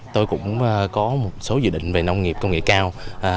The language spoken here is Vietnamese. tôi cũng có một số dự định về nông nghiệp công nghệ cao